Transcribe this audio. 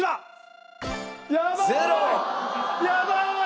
やばい！